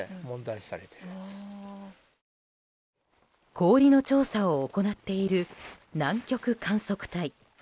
氷の調査を行っている南極観測隊。